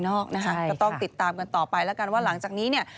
นะคะก็ต้องติดตามกันต่อไปแล้วกันว่าหลังจากนี้เนี่ย